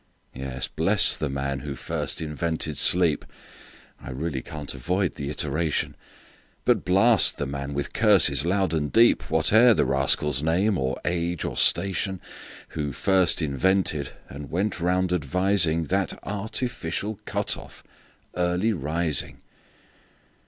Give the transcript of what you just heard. Yes; bless the man who first invented sleep(I really can't avoid the iteration),But blast the man, with curses loud and deep, Whate'er the rascal's name, or age, or station, Who first invented, and went round advising, That artificial cut off, Early Rising!